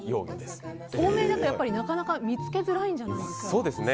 透明だと、なかなか見つけづらいんじゃないですか？